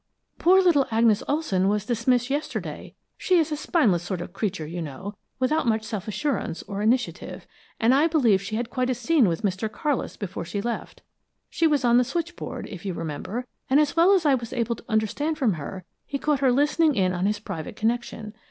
"Poor little Agnes Olson was dismissed yesterday. She is a spineless sort of creature, you know, without much self assurance, or initiative, and I believe she had quite a scene with Mr. Carlis before she left. She was on the switchboard, if you remember, and as well as I was able to understand from her, he caught her listening in on his private connection.